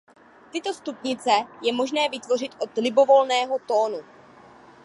Tyto stupnice je možné vytvořit od libovolného tónu.